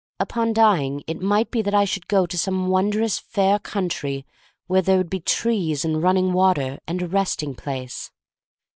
Upon dying it might be that I should go to some wondrous fair country where there would be trees and run ning water, and a resting place.